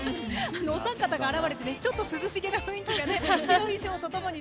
お三方が現れて涼しげな雰囲気です。